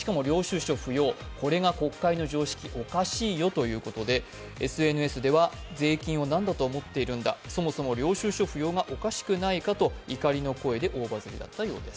これが国会の常識、おかしよということで、税金を何だと思ってるんだ、そもそも領収書不要がおかしいのではないかと怒りの声で大バズりだったようです。